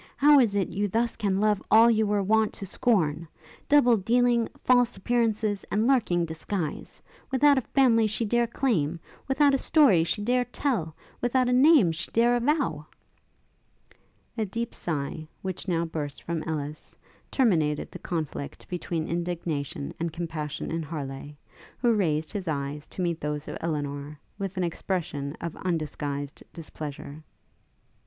how is it you thus can love all you were wont to scorn? double dealing, false appearances, and lurking disguise! without a family she dare claim, without a story she dare tell, without a name she dare avow!' A deep sigh, which now burst from Ellis, terminated the conflict between indignation and compassion in Harleigh, who raised his eyes to meet those of Elinor, with an expression of undisguised displeasure.